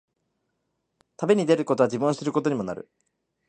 旅に出ることは、自分を知ることにもなる。